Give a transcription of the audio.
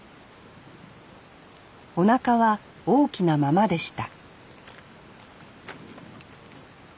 おなかは大きなままでした